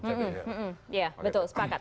iya betul sepakat